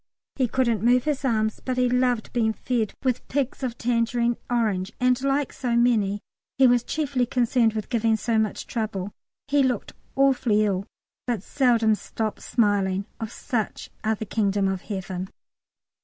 He couldn't move his arms, but he loved being fed with pigs of tangerine orange, and, like so many, he was chiefly concerned with "giving so much trouble." He looked awfully ill, but seldom stopped smiling. Of such are the Kingdom of Heaven.